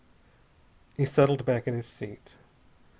He settled back in his seat.